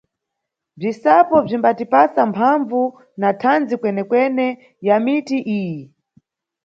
Bzisapo bzimbatipasa mphambvu na thandzi kwenekwene ya miti iyi.